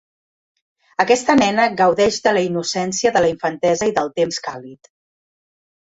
Aquesta nena gaudeix de la innocència de la infantesa i del temps càlid.